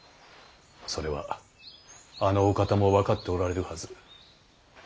それはあのお方も分かっておられるはず。